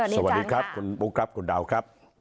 สวัสดีครับคุณบุ๊คครับคุณดาวครับ